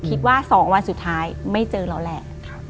คิดว่า๒วันสุดท้ายไม่เจอเราแหละ